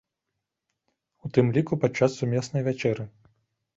У тым ліку падчас сумеснай вячэры.